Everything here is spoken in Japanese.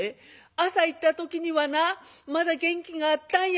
「朝行った時にはなまだ元気があったんや。